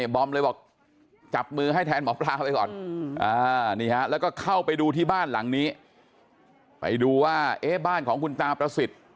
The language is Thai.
บอมเลยบอกจับมือให้แทนหมอปลาไปก่อนแล้วก็เข้าไปดูที่บ้านหลังนี้ไปดูว่าบ้านของคุณตาประสิทธิ์